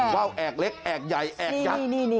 ว่าวแอกเล็กแอกใหญ่แอกยักษ์